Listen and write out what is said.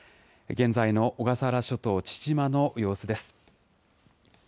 現在の小笠原諸島・父島の様子です。